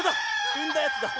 うんだやつだ。